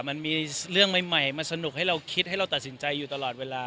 มันมีเรื่องใหม่มาสนุกให้เราคิดให้เราตัดสินใจอยู่ตลอดเวลา